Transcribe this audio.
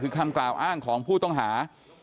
คือคำกล่าวอ้างของผู้ต้องหา